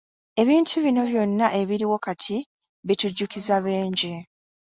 Ebintu bino byonna ebiriwo kati bitujjukiza bingi.